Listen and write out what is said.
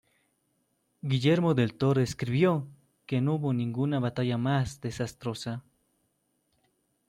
Guillermo de Tiro escribió que no hubo ninguna batalla más desastrosa.